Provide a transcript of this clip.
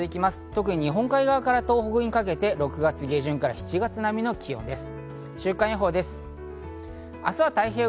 特に日本海側から東北にかけて６月下旬から７月並みの気温です。